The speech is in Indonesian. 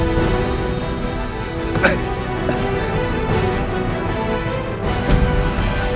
sedang ataupun layak apaan